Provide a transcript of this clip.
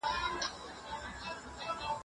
ګرېوان دي لوند دی خونه دي ورانه